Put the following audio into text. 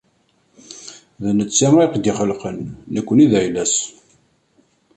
D netta i aɣ-d-ixelqen, nekkni d ayla-s.